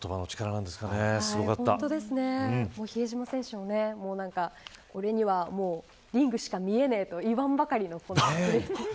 比江島選手も俺にはリングしか見えないと言わんばかりの。